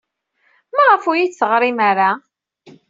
Maɣef ur iyi-d-teɣrim ara?